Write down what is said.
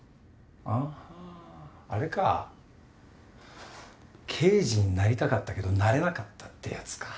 あぁあれか刑事になりたかったけどなれなかったってやつか。